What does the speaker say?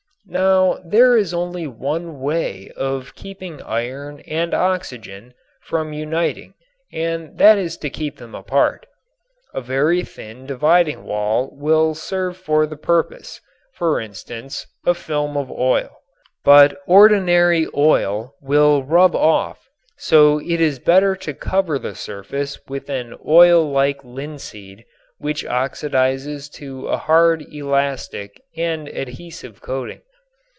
Now there is only one way of keeping iron and oxygen from uniting and that is to keep them apart. A very thin dividing wall will serve for the purpose, for instance, a film of oil. But ordinary oil will rub off, so it is better to cover the surface with an oil like linseed which oxidizes to a hard elastic and adhesive coating.